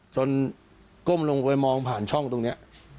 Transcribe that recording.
ก้มลงไปมองผ่านช่องตรงนี้